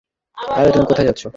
আরে, তুমি কোথায় যাচ্ছ?